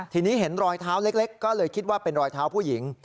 ทีนี้เห็นรอยเท้าเล็กก็เลยคิดว่าเป็นรอยเท้าผู้หญิง